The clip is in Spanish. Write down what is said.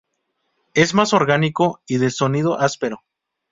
Es más orgánico y de sonido áspero.